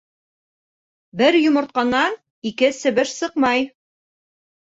Бер йомортҡанан ике себеш сыҡмай.